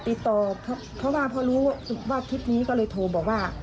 ติดต่อเพราะว่าพอรู้ว่าคลิปนี้ก็เลยโทรบอกว่า